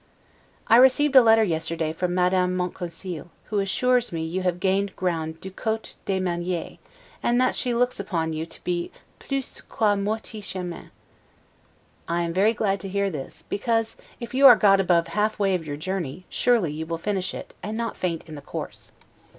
I received a letter yesterday from Madame Monconseil, who assures me you have gained ground 'du cote des maniires', and that she looks upon you to be 'plus qu'a moitie chemin'. I am very glad to hear this, because, if you are got above half way of your journey, surely you will finish it, and not faint in the course.